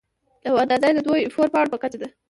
او اندازه یې د دوو اې فور پاڼو په کچه ده.